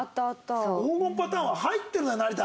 黄金パターンは入ってるのよ成田！